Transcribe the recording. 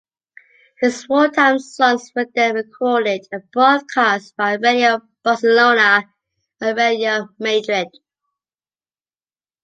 His wartime songs were then recorded and broadcast by Radio Barcelona and Radio Madrid.